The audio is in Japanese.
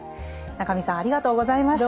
中見さんありがとうございました。